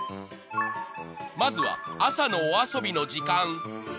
［まずは朝のお遊びの時間］